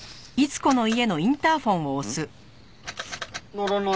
鳴らない。